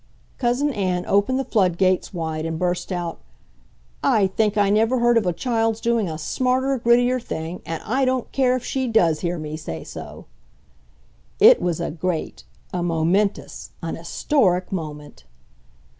Cousin Ann opened the flood gates wide and burst out, "I think I never heard of a child's doing a smarter, grittier thing ... AND I DON'T CARE IF SHE DOES HEAR ME SAY SO!" It was a great, a momentous, an historic moment!